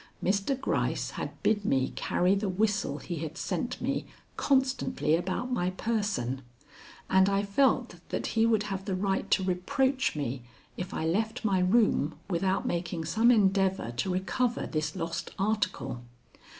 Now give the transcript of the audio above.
Mr. Gryce had bid me carry the whistle he had sent me constantly about my person, and I felt that he would have the right to reproach me if I left my room without making some endeavor to recover this lost article.